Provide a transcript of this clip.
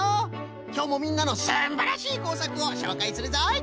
きょうもみんなのすんばらしいこうさくをしょうかいするぞい！